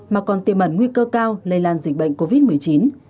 mà còn tiềm ẩn nguy cơ cao lây lan dịch bệnh covid một mươi chín